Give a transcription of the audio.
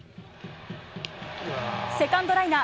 セカンドライナー。